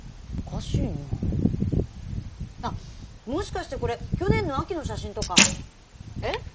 あっもしかしてこれ去年の秋の写真とか！えっ？